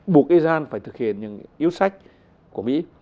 buộc iran phải thực hiện những yếu sách của mỹ